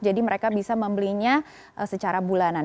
jadi mereka bisa membelinya secara bulanan